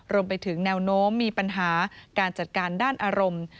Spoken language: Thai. รวมไปถึงแนวโน้มมีปัญหาการจัดการด้านอารมณ์